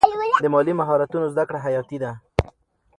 د مالي مهارتونو زده کړه حیاتي ده.